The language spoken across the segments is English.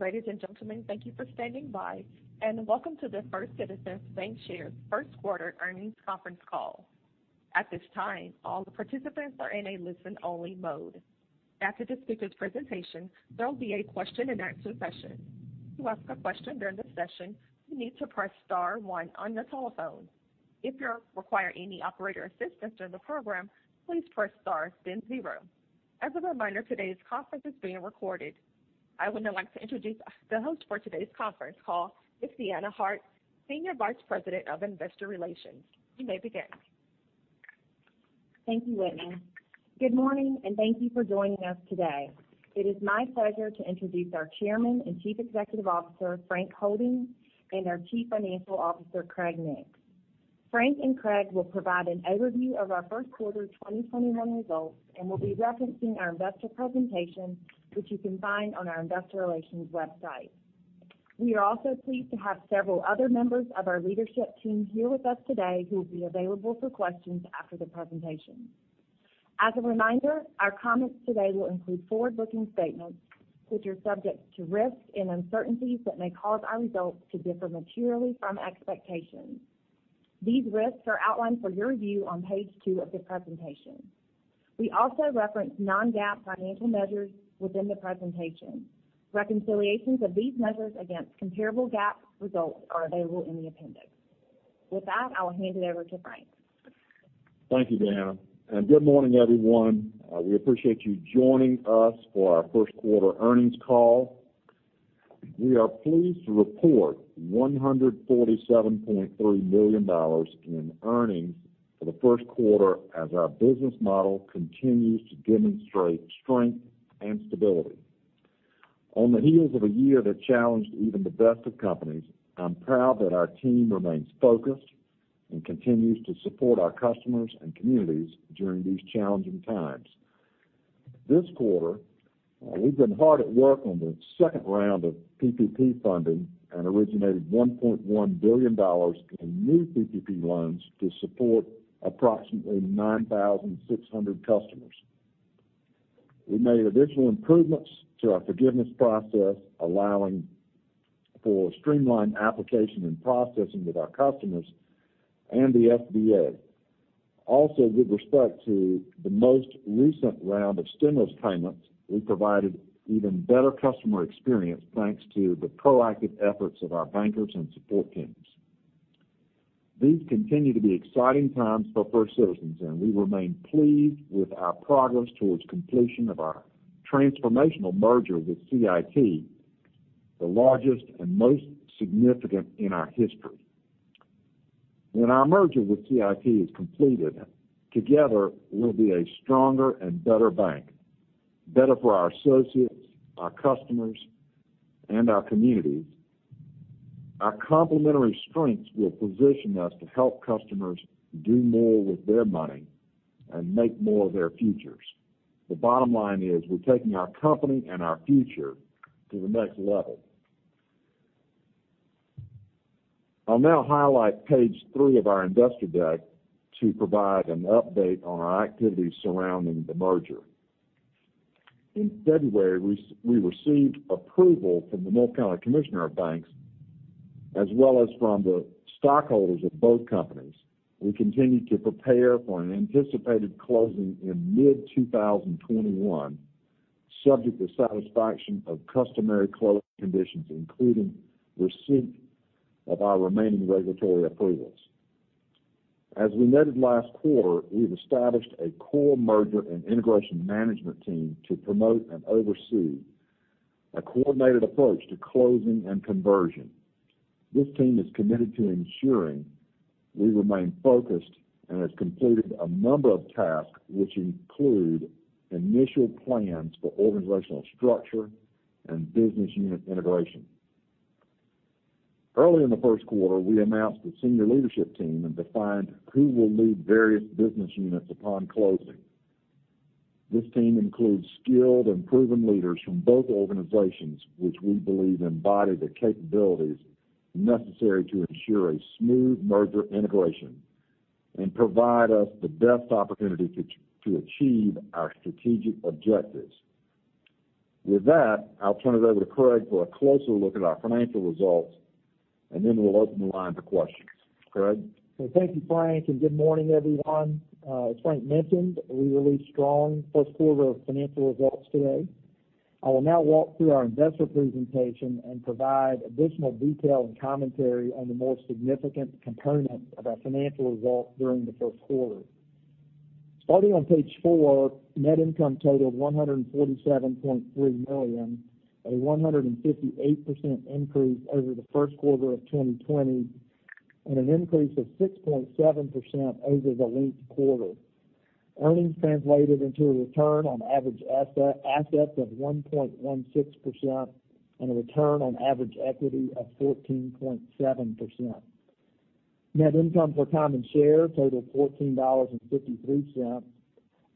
Ladies and gentlemen, thank you for standing by, and welcome to the First Citizens BancShares First Quarter Earnings Conference Call. At this time, all the participants are in a listen-only mode. After the speakers' presentation, there will be a question-and-answer session. To ask a question during the session, you need to press star one on your telephone. If you require any operator assistance during the program, please press star then zero. As a reminder, today's conference is being recorded. I would now like to introduce the host for today's conference call, it's Deanna Hart, Senior Vice President of Investor Relations. You may begin. Thank you, Whitney. Good morning, and thank you for joining us today. It is my pleasure to introduce our Chairman and Chief Executive Officer, Frank Holding, and our Chief Financial Officer, Craig Nix. Frank and Craig will provide an overview of our first quarter twenty twenty-one results and will be referencing our investor presentation, which you can find on our investor relations website. We are also pleased to have several other members of our leadership team here with us today, who will be available for questions after the presentation. As a reminder, our comments today will include forward-looking statements, which are subject to risks and uncertainties that may cause our results to differ materially from expectations. These risks are outlined for your review on page two of the presentation. We also reference non-GAAP financial measures within the presentation. Reconciliations of these measures against comparable GAAP results are available in the appendix. With that, I'll hand it over to Frank. Thank you, Deanna, and good morning, everyone. We appreciate you joining us for our first quarter earnings call. We are pleased to report $147.3 million in earnings for the first quarter, as our business model continues to demonstrate strength and stability. On the heels of a year that challenged even the best of companies, I'm proud that our team remains focused and continues to support our customers and communities during these challenging times. This quarter, we've been hard at work on the second round of PPP funding and originated $1.1 billion in new PPP loans to support approximately 9,600 customers. We made additional improvements to our forgiveness process, allowing for streamlined application and processing with our customers and the SBA. Also, with respect to the most recent round of stimulus payments, we provided even better customer experience, thanks to the proactive efforts of our bankers and support teams. These continue to be exciting times for First Citizens, and we remain pleased with our progress towards completion of our transformational merger with CIT, the largest and most significant in our history. When our merger with CIT is completed, together, we'll be a stronger and better bank, better for our associates, our customers, and our communities. Our complementary strengths will position us to help customers do more with their money and make more of their futures. The bottom line is, we're taking our company and our future to the next level. I'll now highlight page three of our investor deck to provide an update on our activities surrounding the merger. In February, we received approval from the North Carolina Commissioner of Banks, as well as from the stockholders of both companies. We continue to prepare for an anticipated closing in mid-2021, subject to satisfaction of customary closing conditions, including receipt of our remaining regulatory approvals. As we noted last quarter, we've established a core merger and integration management team to promote and oversee a coordinated approach to closing and conversion. This team is committed to ensuring we remain focused and has completed a number of tasks, which include initial plans for organizational structure and business unit integration. Early in the first quarter, we announced the senior leadership team and defined who will lead various business units upon closing. This team includes skilled and proven leaders from both organizations, which we believe embody the capabilities necessary to ensure a smooth merger integration and provide us the best opportunity to achieve our strategic objectives. With that, I'll turn it over to Craig for a closer look at our financial results, and then we'll open the line to questions. Craig? Thank you, Frank, and good morning, everyone. As Frank mentioned, we released strong first quarter financial results today. I will now walk through our investor presentation and provide additional detail and commentary on the more significant components of our financial results during the first quarter. Starting on page 4, net income totaled $147.3 million, a 158% increase over the first quarter of 2020, and an increase of 6.7% over the linked quarter. Earnings translated into a return on average assets of 1.16% and a return on average equity of 14.7%. Net income per common share totaled $14.53,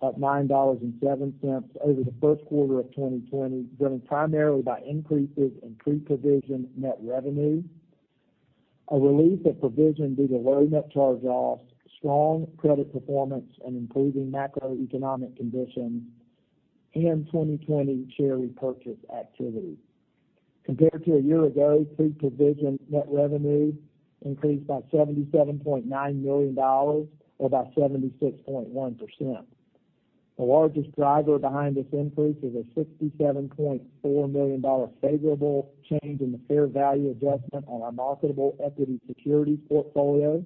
up $9.07 over the first quarter of 2020, driven primarily by increases in pre-provision net revenue... A release of provision due to lower net charge-offs, strong credit performance, and improving macroeconomic conditions, and 2020 share repurchase activity. Compared to a year ago, pre-provision net revenue increased by $77.9 million, or by 76.1%. The largest driver behind this increase is a $67.4 million favorable change in the fair value adjustment on our marketable equity securities portfolio,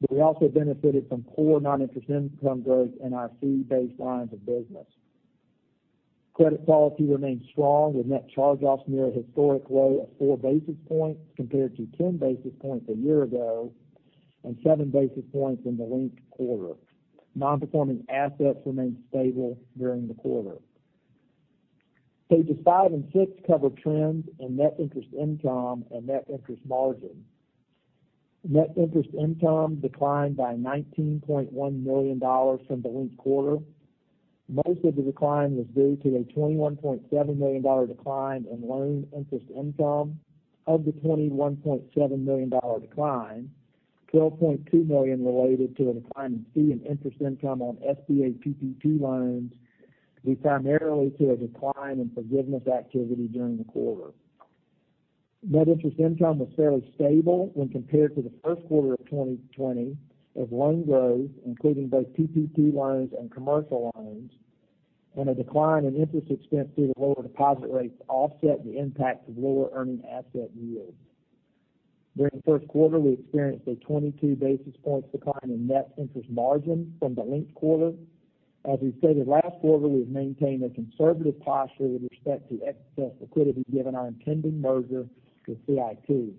but we also benefited from core non-interest income growth in our fee-based lines of business. Credit quality remains strong, with net charge-offs near a historic low of four basis points compared to 10 basis points a year ago, and seven basis points in the linked quarter. Nonperforming assets remained stable during the quarter. Pages five and six cover trends in net interest income and net interest margin. Net interest income declined by $19.1 million from the linked quarter. Most of the decline was due to a $21.7 million decline in loan interest income. Of the $21.7 million decline, $12.2 million related to a decline in fee and interest income on SBA PPP loans, due primarily to a decline in forgiveness activity during the quarter. Net interest income was fairly stable when compared to the first quarter of 2020, as loan growth, including both PPP loans and commercial loans, and a decline in interest expense due to lower deposit rates offset the impact of lower earning asset yields. During the first quarter, we experienced a 22 basis points decline in net interest margin from the linked quarter. As we stated last quarter, we have maintained a conservative posture with respect to excess liquidity, given our impending merger with CIT.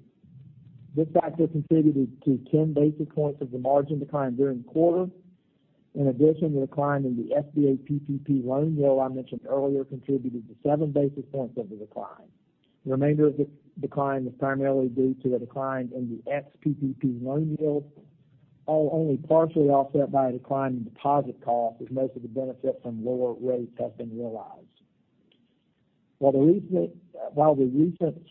This factor contributed to ten basis points of the margin decline during the quarter. In addition, the decline in the SBA PPP loan yield I mentioned earlier contributed to seven basis points of the decline. The remainder of the decline was primarily due to a decline in the ex-PPP loan yield, only partially offset by a decline in deposit costs, as most of the benefit from lower rates have been realized. While the recent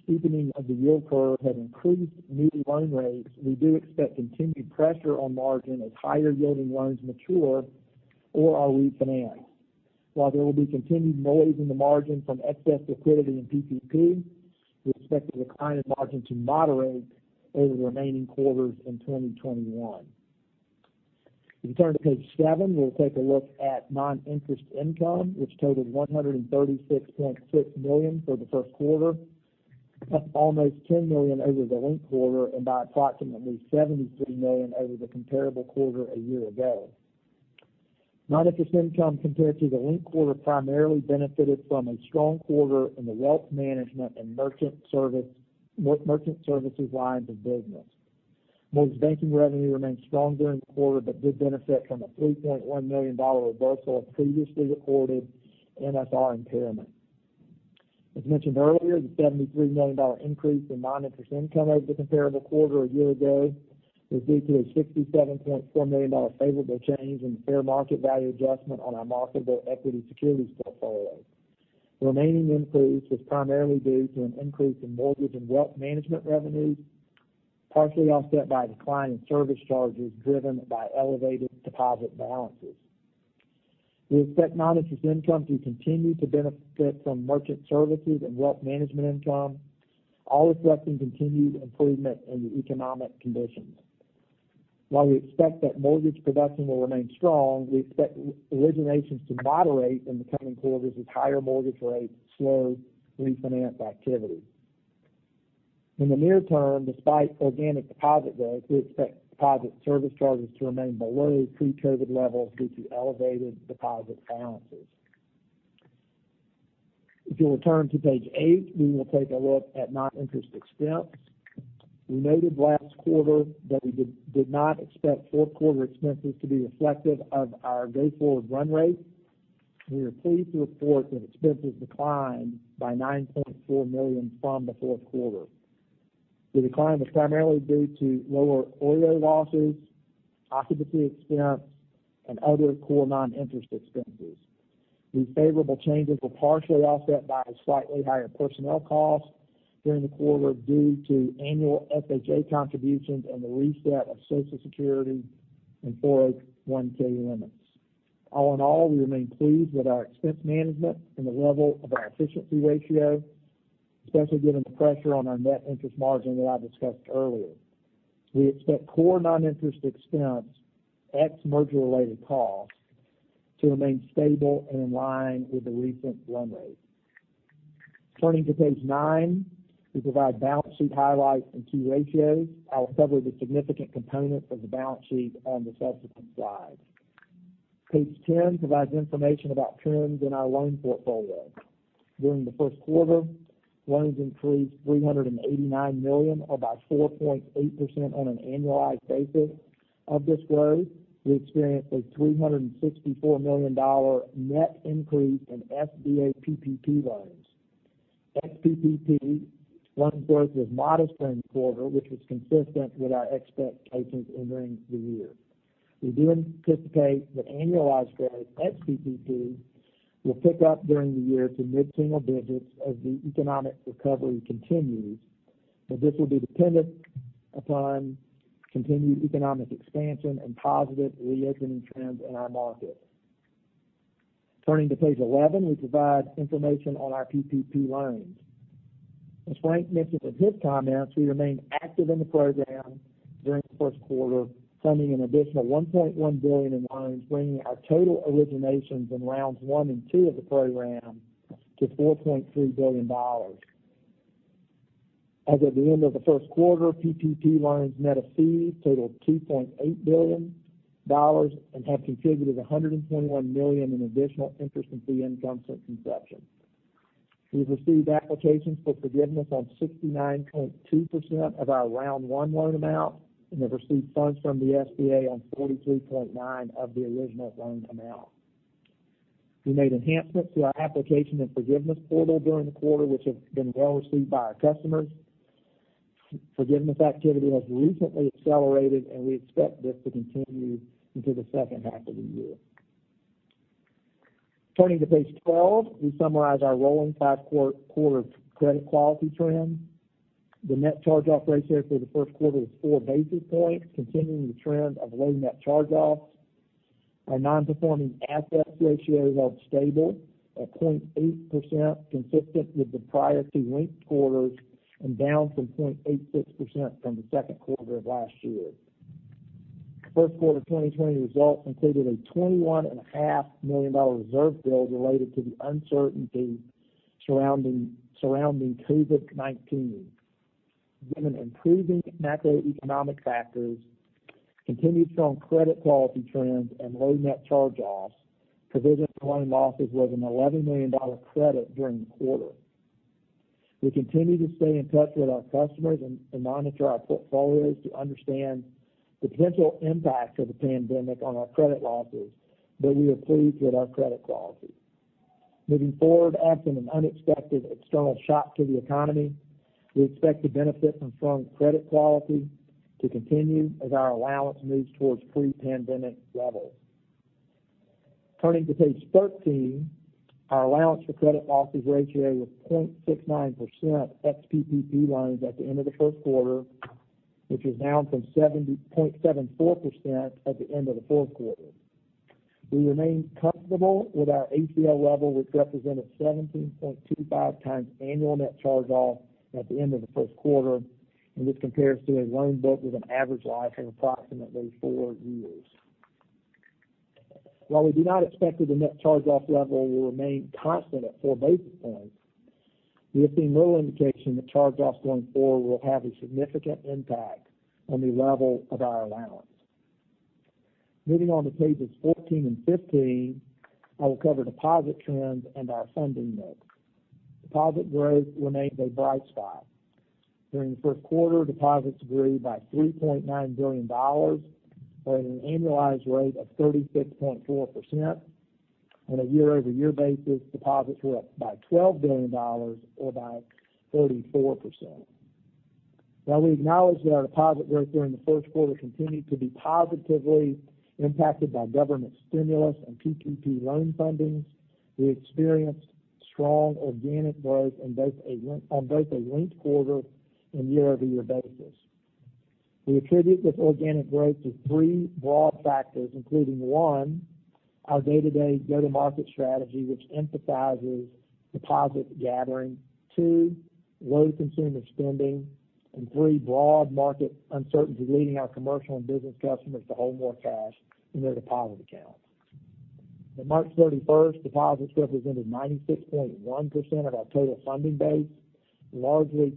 steepening of the yield curve has increased new loan rates, we do expect continued pressure on margin as higher-yielding loans mature or are refinanced. While there will be continued noise in the margin from excess liquidity and PPP, we expect the decline in margin to moderate over the remaining quarters in 2021. If you turn to page seven, we'll take a look at non-interest income, which totaled $136.6 million for the first quarter, up almost $10 million over the linked quarter and by approximately $73 million over the comparable quarter a year ago. Non-interest income compared to the linked quarter primarily benefited from a strong quarter in the wealth management and merchant services lines of business. Mortgage banking revenue remained strong during the quarter, but did benefit from a $3.1 million reversal of previously recorded MSR impairment. As mentioned earlier, the $73 million increase in non-interest income over the comparable quarter a year ago was due to a $67.4 million favorable change in the fair market value adjustment on our marketable equity securities portfolio. The remaining increase was primarily due to an increase in mortgage and wealth management revenues, partially offset by a decline in service charges driven by elevated deposit balances. We expect non-interest income to continue to benefit from merchant services and wealth management income, all reflecting continued improvement in the economic conditions. While we expect that mortgage production will remain strong, we expect originations to moderate in the coming quarters as higher mortgage rates slow refinance activity. In the near term, despite organic deposit growth, we expect deposit service charges to remain below pre-COVID levels due to elevated deposit balances. If you'll turn to page eight, we will take a look at non-interest expense. We noted last quarter that we did not expect fourth quarter expenses to be reflective of our go-forward run rate. We are pleased to report that expenses declined by $9.4 million from the fourth quarter. The decline was primarily due to lower OREO losses, occupancy expense, and other core non-interest expenses. These favorable changes were partially offset by slightly higher personnel costs during the quarter, due to annual FICA contributions and the reset of Social Security and 401(k) limits. All in all, we remain pleased with our expense management and the level of our efficiency ratio, especially given the pressure on our net interest margin that I discussed earlier. We expect core non-interest expense, ex merger-related costs, to remain stable and in line with the recent run rate. Turning to page nine, we provide balance sheet highlights and key ratios. I will cover the significant components of the balance sheet on the subsequent slides. Page ten provides information about trends in our loan portfolio. During the first quarter, loans increased $389 million, or about 4.8% on an annualized basis. Of this growth, we experienced a $364 million net increase in SBA PPP loans. Ex-PPP, loan growth was modest during the quarter, which was consistent with our expectations entering the year. We do anticipate that annualized growth at PPP will pick up during the year to mid-single digits as the economic recovery continues, but this will be dependent upon continued economic expansion and positive reopening trends in our markets. Turning to page 11, we provide information on our PPP loans. As Frank mentioned in his comments, we remained active in the program during the first quarter, funding an additional $1.1 billion in loans, bringing our total originations in rounds 1 and 2 of the program to $4.3 billion. As of the end of the first quarter, PPP loans net of fees totaled $2.8 billion, and have contributed $121 million in additional interest and fee income since inception. We've received applications for forgiveness on 69.2% of our round one loan amount, and have received funds from the SBA on 43.9% of the original loan amount. We made enhancements to our application and forgiveness portal during the quarter, which have been well received by our customers. Forgiveness activity has recently accelerated, and we expect this to continue into the second half of the year. Turning to page 12, we summarize our rolling 5-quarter credit quality trend. The net charge-off ratio for the first quarter was 4 basis points, continuing the trend of low net charge-offs. Our nonperforming asset ratio is held stable at 0.8%, consistent with the prior two linked quarters, and down from 0.86% from the second quarter of last year. First quarter 2020 results included a $21.5 million reserve build related to the uncertainty surrounding COVID-19. Given improving macroeconomic factors, continued strong credit quality trends, and low net charge-offs, provision for loan losses was an $11 million credit during the quarter. We continue to stay in touch with our customers and monitor our portfolios to understand the potential impact of the pandemic on our credit losses, but we are pleased with our credit quality. Moving forward, after an unexpected external shock to the economy, we expect the benefit from strong credit quality to continue as our allowance moves towards pre-pandemic levels. Turning to page 13, our allowance for credit losses ratio was 0.69%, ex-PPP loans at the end of the first quarter, which is down from point seven four percent at the end of the fourth quarter. We remain comfortable with our ACL level, which represented 17.25 times annual net charge-off at the end of the first quarter, and this compares to a loan book with an average life of approximately four years. While we do not expect that the net charge-off level will remain constant at four basis points, we have seen no indication that charge-offs going forward will have a significant impact on the level of our allowance. Moving on to pages 14 and 15, I will cover deposit trends and our funding mix. Deposit growth remained a bright spot. During the first quarter, deposits grew by $3.9 billion, or at an annualized rate of 36.4%. On a year-over-year basis, deposits were up by $12 billion or by 34%. While we acknowledge that our deposit growth during the first quarter continued to be positively impacted by government stimulus and PPP loan fundings, we experienced strong organic growth on both a linked quarter and year-over-year basis. We attribute this organic growth to three broad factors, including, one, our day-to-day go-to-market strategy, which emphasizes deposit gathering, two, low consumer spending, and three, broad market uncertainty, leading our commercial and business customers to hold more cash in their deposit accounts. At March 31st, deposits represented 96.1% of our total funding base, largely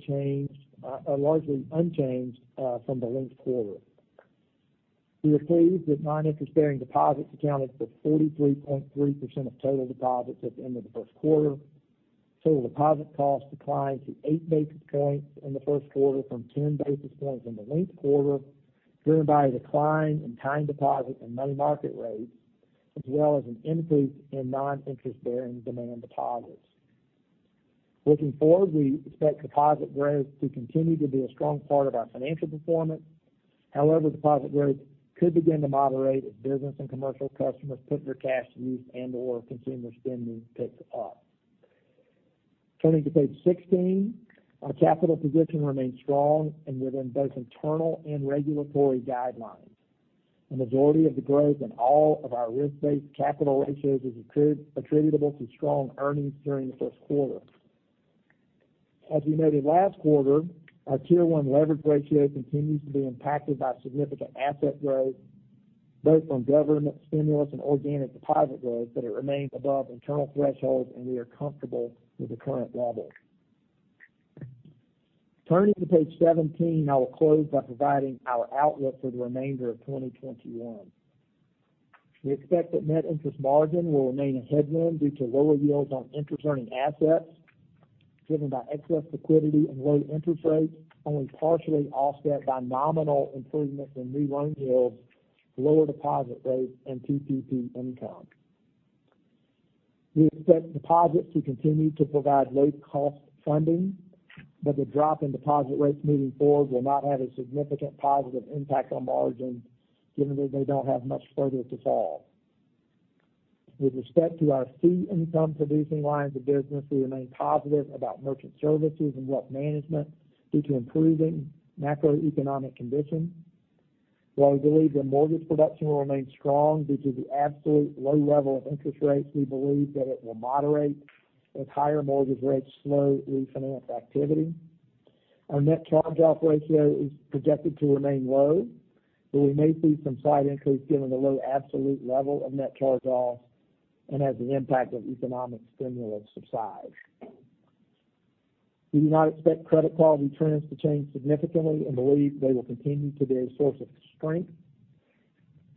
unchanged from the linked quarter. We are pleased that non-interest bearing deposits accounted for 43.3% of total deposits at the end of the first quarter. Total deposit costs declined to eight basis points in the first quarter from ten basis points in the linked quarter, driven by a decline in time deposit and money market rates, as well as an increase in non-interest bearing demand deposits. Looking forward, we expect deposit growth to continue to be a strong part of our financial performance. However, deposit growth could begin to moderate as business and commercial customers put their cash to use and/or consumer spending picks up. Turning to page 16, our capital position remains strong and within both internal and regulatory guidelines. The majority of the growth in all of our risk-based capital ratios is attributable to strong earnings during the first quarter. As we noted last quarter, our Tier 1 leverage ratio continues to be impacted by significant asset growth, both from government stimulus and organic deposit growth, but it remains above internal thresholds, and we are comfortable with the current level. Turning to page 17, I will close by providing our outlook for the remainder of twenty twenty-one. We expect that net interest margin will remain a headwind due to lower yields on interest-earning assets, driven by excess liquidity and low interest rates, only partially offset by nominal improvements in new loan yields, lower deposit rates, and PPP income. We expect deposits to continue to provide low cost funding, but the drop in deposit rates moving forward will not have a significant positive impact on margin, given that they don't have much further to fall. With respect to our fee income producing lines of business, we remain positive about merchant services and wealth management due to improving macroeconomic conditions. While we believe that mortgage production will remain strong due to the absolute low level of interest rates, we believe that it will moderate as higher mortgage rates slow refinance activity. Our net charge-off ratio is projected to remain low, but we may see some slight increase given the low absolute level of net charge-offs and as the impact of economic stimulus subsides. We do not expect credit quality trends to change significantly and believe they will continue to be a source of strength.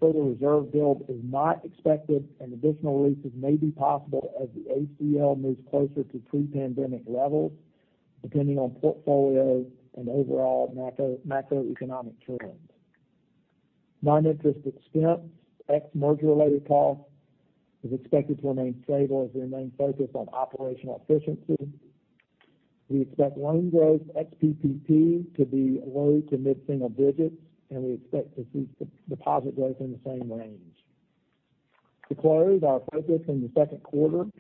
Further reserve build is not expected, and additional releases may be possible as the ACL moves closer to pre-pandemic levels, depending on portfolio and overall macroeconomic trends. Non-interest expense, ex merger-related costs, is expected to remain stable as we remain focused on operational efficiency. We expect loan growth ex-PPP to be low to mid single digits, and we expect to see deposit growth in the same range. To close, our focus in the second quarter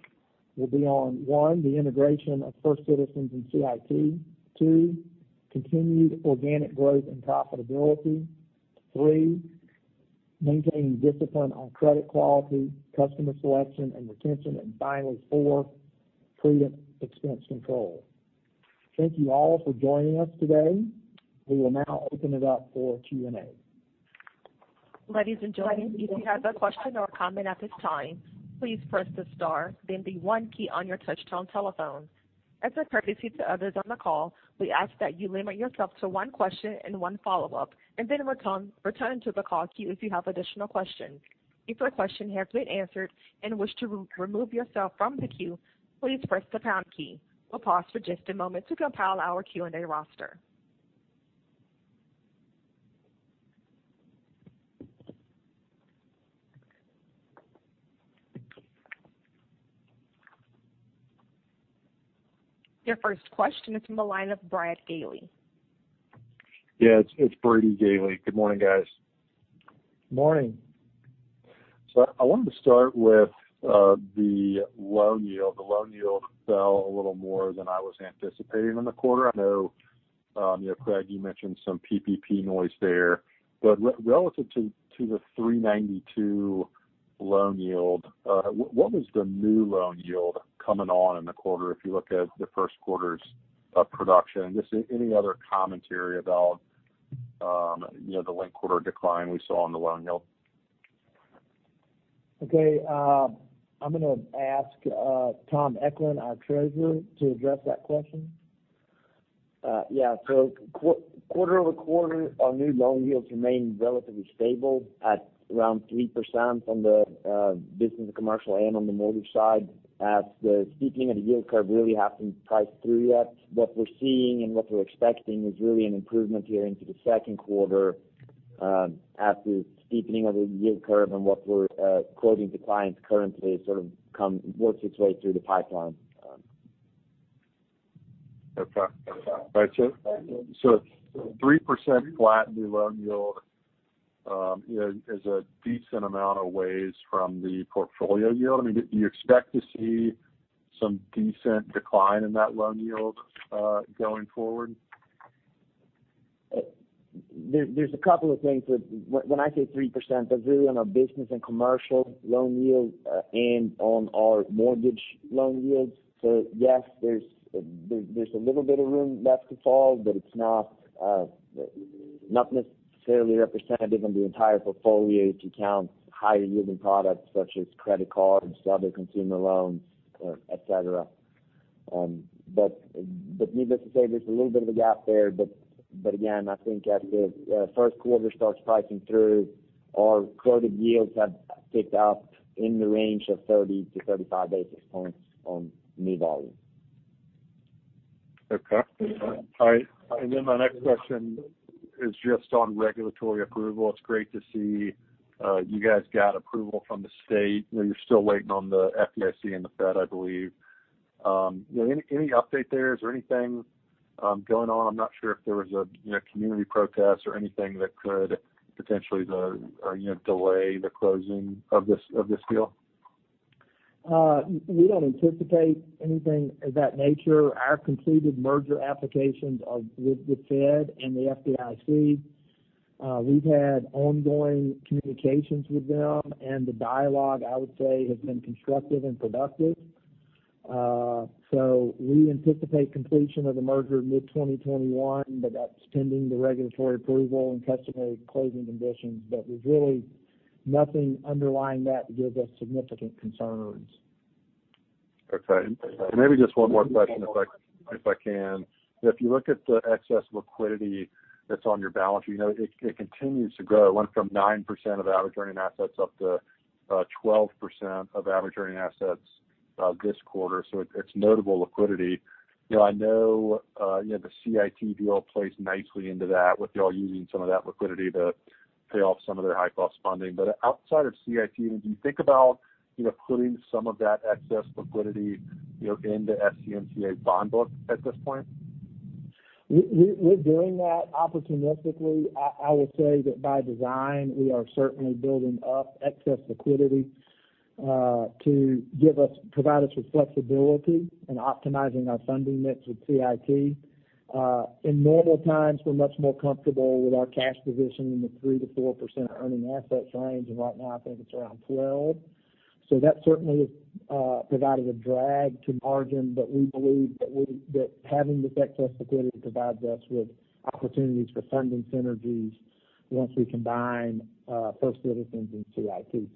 will be on, one, the integration of First Citizens and CIT. Two, continued organic growth and profitability. Three, maintaining discipline on credit quality, customer selection, and retention. And finally, four, prudent expense control. Thank you all for joining us today. We will now open it up for Q&A. Ladies and gentlemen, if you have a question or comment at this time, please press the star, then the one key on your touchtone telephone. As a courtesy to others on the call, we ask that you limit yourself to one question and one follow-up, and then return to the call queue if you have additional questions. If your question has been answered and you wish to remove yourself from the queue, please press the pound key. We'll pause for just a moment to compile our Q&A roster. Your first question is from the line of Brady Gailey. Yeah, it's Brady Gailey. Good morning, guys. Morning! I wanted to start with the loan yield. The loan yield fell a little more than I was anticipating in the quarter. I know, you know, Craig, you mentioned some PPP noise there, but relative to the three ninety-two loan yield, what was the new loan yield coming on in the quarter if you look at the first quarter's production? Just any other commentary about, you know, the linked quarter decline we saw on the loan yield? Okay, I'm gonna ask Tom Eklund, our Treasurer, to address that question. Yeah. So quarter over quarter, our new loan yields remain relatively stable at around 3% on the business and commercial and on the mortgage side, as the steepening of the yield curve really hasn't priced through yet. What we're seeing and what we're expecting is really an improvement here into the second quarter, as the steepening of the yield curve and what we're quoting to clients currently sort of works its way through the pipeline. Okay. All right, so 3% flat new loan yield is a decent amount away from the portfolio yield. I mean, do you expect to see some decent decline in that loan yield going forward? There's a couple of things that, when I say 3%, that's really on our business and commercial loan yields, and on our mortgage loan yields. So yes, there's a little bit of room left to fall, but it's not necessarily representative of the entire portfolio to count higher yielding products such as credit cards, other consumer loans, or et cetera. Needless to say, there's a little bit of a gap there, but again, I think as the first quarter starts pricing through, our quoted yields have ticked up in the range of 30-35 basis points on new volumes. Okay. All right, and then my next question is just on regulatory approval. It's great to see you guys got approval from the state. I know you're still waiting on the FDIC and the Fed, I believe. You know, any update there? Is there anything going on? I'm not sure if there was a you know, community protest or anything that could potentially delay the closing of this deal. We don't anticipate anything of that nature. Our completed merger applications are with the Fed and the FDIC. We've had ongoing communications with them, and the dialogue, I would say, has been constructive and productive. So we anticipate completion of the merger mid-2021, but that's pending the regulatory approval and customary closing conditions. But there's really nothing underlying that to give us significant concerns. Okay. And maybe just one more question, if I can. If you look at the excess liquidity that's on your balance sheet, you know, it continues to grow. It went from 9% of average earning assets up to 12% of average earning assets this quarter, so it's notable liquidity. You know, I know you know, the CIT deal plays nicely into that, with y'all using some of that liquidity to pay off some of their high-cost funding. But outside of CIT, do you think about putting some of that excess liquidity, you know, into FCNCA bond book at this point? We're doing that opportunistically. I would say that by design, we are certainly building up excess liquidity to provide us with flexibility in optimizing our funding mix with CIT. In normal times, we're much more comfortable with our cash position in the 3-4% earning assets range, and right now, I think it's around 12%. That certainly has provided a drag to margin, but we believe that having that excess liquidity provides us with opportunities for funding synergies once we combine First Citizens and CIT.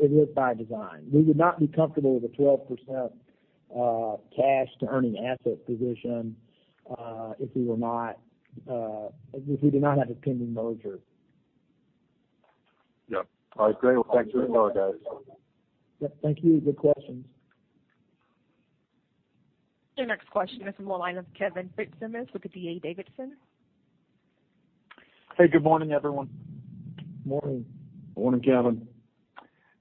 It is by design. We would not be comfortable with a 12% cash to earning asset position if we did not have a pending merger. Yep. All right, great. Well, thanks very much, guys. Yep, thank you. Good questions. Your next question is from the line of Kevin Fitzsimmons with D.A. Davidson. Hey, good morning, everyone. Morning. Morning, Kevin.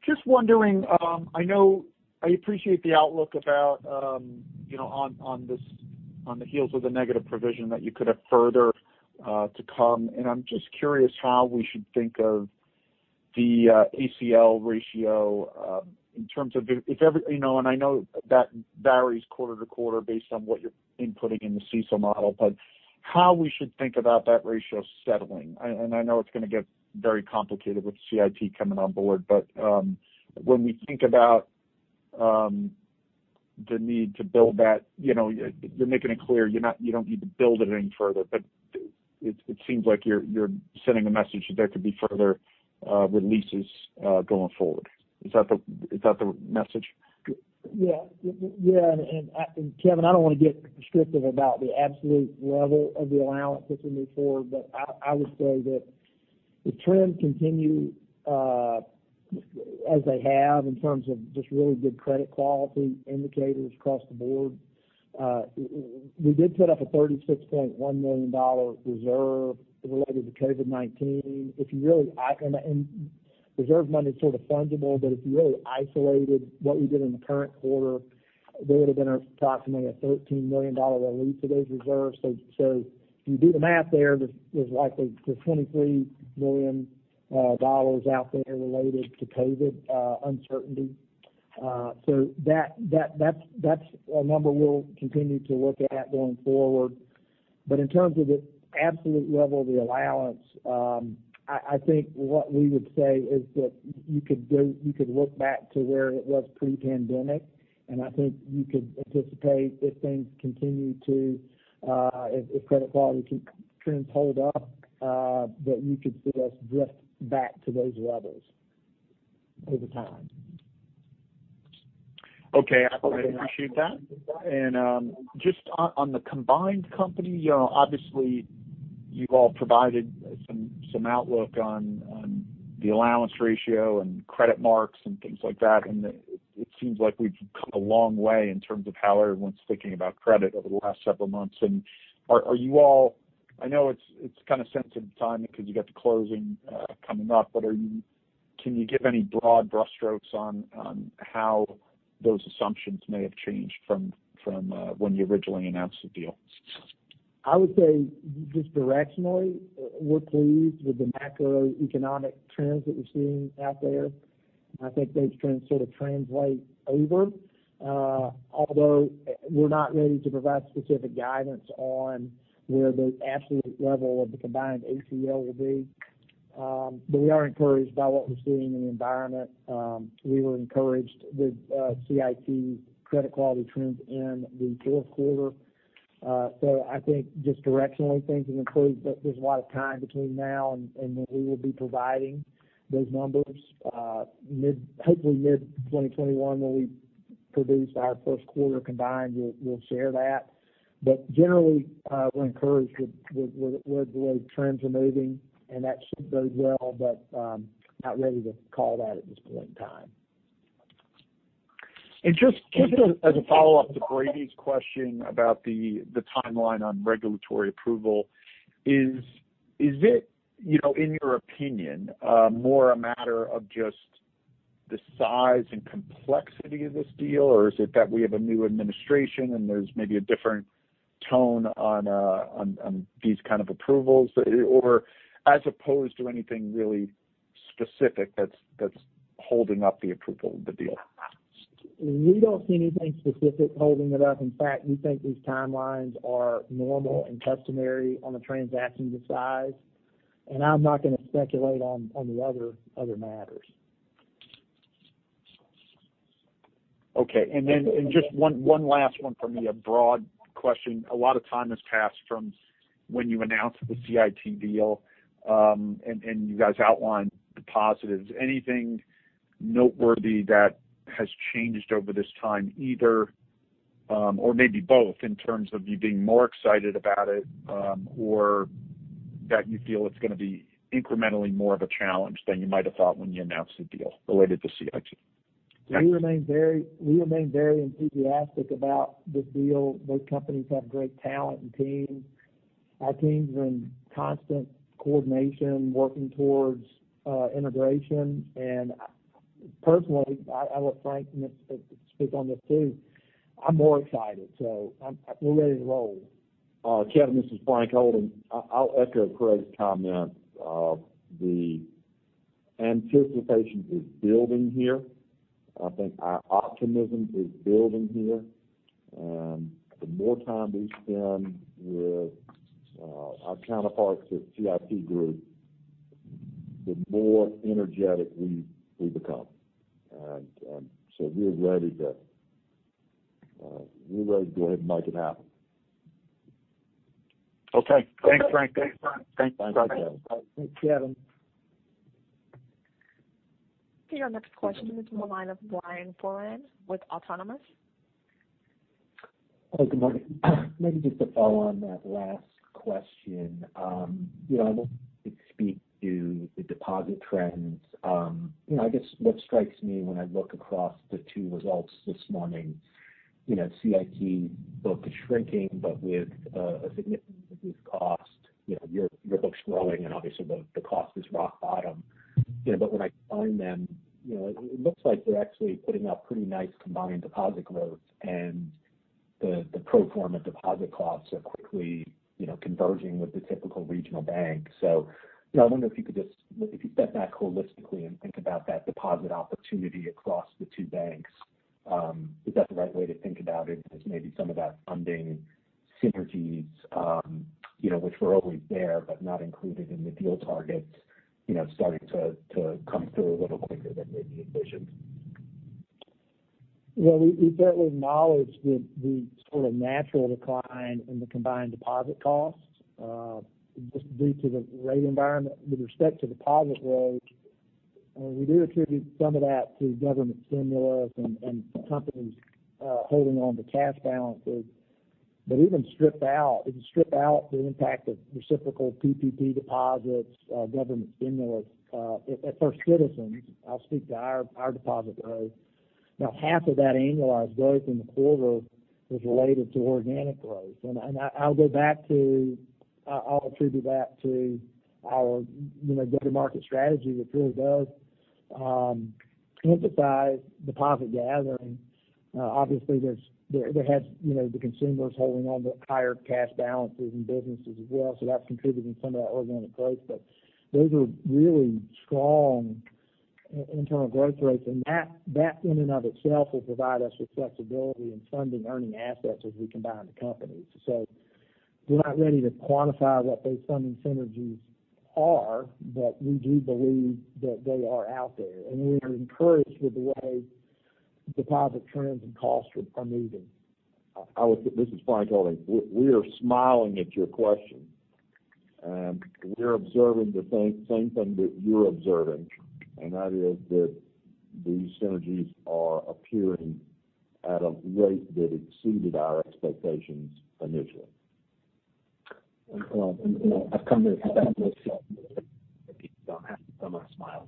Just wondering, I appreciate the outlook about, you know, on the heels of the negative provision that you could have further to come, and I'm just curious how we should think of the ACL ratio in terms of, you know, and I know that varies quarter to quarter based on what you're inputting in the CECL model, but how we should think about that ratio settling? And I know it's gonna get very complicated with CIT coming on board, but when we think about the need to build that, you know, you're making it clear, you don't need to build it any further, but it seems like you're sending a message that there could be further releases going forward. Is that the message? Yeah. Yeah, and, Kevin, I don't want to get prescriptive about the absolute level of the allowance as we move forward, but I would say that if trends continue, as they have in terms of just really good credit quality indicators across the board, we did set up a $36.1 million reserve related to COVID-19. If you really and reserve money is sort of fungible, but if you really isolated what we did in the current quarter, there would have been approximately a $13 million release of those reserves. So if you do the math there, there's likely $23 million dollars out there related to COVID uncertainty. So that's a number we'll continue to look at going forward. But in terms of the absolute level of the allowance, I think what we would say is that you could look back to where it was pre-pandemic, and I think you could anticipate, if things continue to, if credit quality trends hold up, that you could see us drift back to those levels over time. Okay, I appreciate that. And, just on, on the combined company, you know, obviously, you've all provided some, some outlook on, on the allowance ratio and credit marks and things like that, and it, it seems like we've come a long way in terms of how everyone's thinking about credit over the last several months. And are, are you all? I know it's, it's kind of sensitive timing because you got the closing, coming up, but are you? Can you give any broad brushstrokes on, on how those assumptions may have changed from, from, when you originally announced the deal? I would say just directionally, we're pleased with the macroeconomic trends that we're seeing out there. I think those trends sort of translate over, although we're not ready to provide specific guidance on where the absolute level of the combined ACL will be, but we are encouraged by what we're seeing in the environment. We were encouraged with CIT credit quality trends in the fourth quarter, so I think just directionally, things have improved, but there's a lot of time between now and when we will be providing those numbers. Mid- hopefully mid-2021, when we produce our first quarter combined, we'll share that, but generally, we're encouraged with the way trends are moving, and that should bode well, but not ready to call that at this point in time. Just as a follow-up to Brady's question about the timeline on regulatory approval, is it, you know, in your opinion, more a matter of just the size and complexity of this deal, or is it that we have a new administration and there's maybe a different tone on these kind of approvals, or as opposed to anything really specific that's holding up the approval of the deal? We don't see anything specific holding it up. In fact, we think these timelines are normal and customary on a transaction this size, and I'm not going to speculate on the other matters. Okay, and then just one last one for me, a broad question. A lot of time has passed from when you announced the CIT deal, and you guys outlined the positives. Anything noteworthy that has changed over this time, either or maybe both, in terms of you being more excited about it, or that you feel it's going to be incrementally more of a challenge than you might have thought when you announced the deal related to CIT? ... So we remain very enthusiastic about this deal. Both companies have great talent and teams. Our teams are in constant coordination, working towards integration. And personally, I let Frank speak on this, too. I'm more excited, so we're ready to roll. Kevin, this is Frank Holding. I'll echo Craig's comment. The anticipation is building here. I think our optimism is building here, and the more time we spend with our counterparts at CIT Group, the more energetic we become, and so we're ready to go ahead and make it happen. Okay. Thanks, Frank. Thanks, Frank. Thanks. Thanks, Kevin. Your next question is from the line of Brian Foran with Autonomous. Hi, good morning. Maybe just to follow on that last question, you know, I want to speak to the deposit trends. You know, I guess what strikes me when I look across the two results this morning, you know, CIT book is shrinking, but with a significant cost, you know, your book's growing and obviously the cost is rock bottom. You know, but when I combine them, you know, it looks like they're actually putting up pretty nice combined deposit growth and the pro forma deposit costs are quickly, you know, converging with the typical regional bank. You know, I wonder if you could just step back holistically and think about that deposit opportunity across the two banks. Is that the right way to think about it, as maybe some of that funding synergies, you know, which were always there, but not included in the deal targets, you know, starting to come through a little quicker than maybe envisioned? We certainly acknowledge the sort of natural decline in the combined deposit costs just due to the rate environment. With respect to deposit growth, we do attribute some of that to government stimulus and companies holding on to cash balances. But even stripped out, if you strip out the impact of reciprocal PPP deposits, government stimulus, at First Citizens, I'll speak to our deposit growth. Now, half of that annualized growth in the quarter was related to organic growth. I'll go back to. I'll attribute back to our, you know, go-to-market strategy, which really does emphasize deposit gathering. Obviously, there has, you know, the consumers holding on to higher cash balances and businesses as well, so that's contributing to some of that organic growth. But those are really strong internal growth rates, and that in and of itself will provide us with flexibility in funding earning assets as we combine the companies. So we're not ready to quantify what those funding synergies are, but we do believe that they are out there, and we are encouraged with the way deposit trends and costs are moving. I would say, this is Frank Holding. We are smiling at your question, and we're observing the same thing that you're observing, and that is that these synergies are appearing at a rate that exceeded our expectations initially. You know, I've come to expect smile.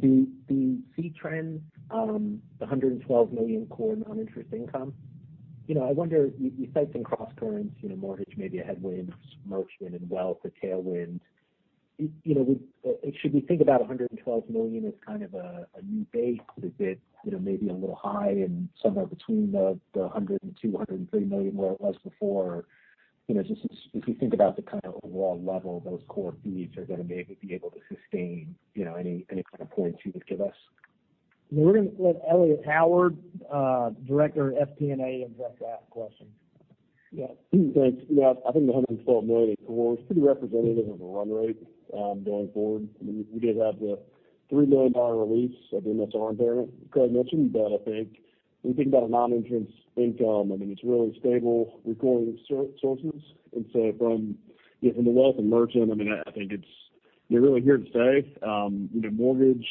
The fee trends, the $112 million core non-interest income. You know, I wonder, you cite some crosscurrents, you know, mortgage may be a headwind, merchant and wealth, a tailwind. You know, should we think about $112 million as kind of a new base that is, you know, maybe a little high and somewhere between the $102 million and $103 million, where it was before? You know, just as if you think about the kind of overall level, those core fees are going to maybe be able to sustain, you know, any kind of points you would give us. We're going to let Elliott Howard, Director of FP&A, address that question. Yeah. Thanks. Yeah, I think the $112 million in core is pretty representative of a run rate going forward. I mean, we did have the $3 million release of MSR impairment, Craig mentioned, but I think when you think about a non-interest income, I mean, it's really stable recurring sources. And so from, you know, from the wealth and merchant, I mean, I think it's, they're really here to stay. You know, mortgage,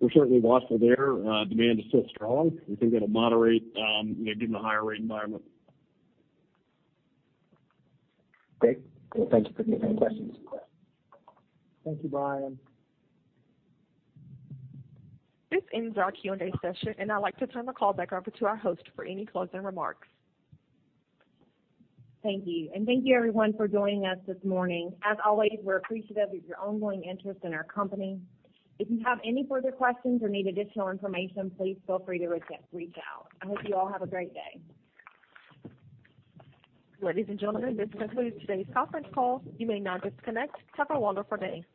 we're certainly watchful there. Demand is still strong. We think it'll moderate, you know, given the higher rate environment. Okay. Well, thank you for taking my questions. Thank you, Brian. This ends our Q&A session, and I'd like to turn the call back over to our host for any closing remarks. Thank you and thank you everyone for joining us this morning. As always, we're appreciative of your ongoing interest in our company. If you have any further questions or need additional information, please feel free to reach out. I hope you all have a great day. Ladies and gentlemen, this concludes today's conference call. You may now disconnect. Have a wonderful day.